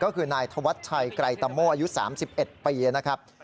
ก็คือนายธวัชชัยไกรตะโม่อายุ๓๑ปีนะครับ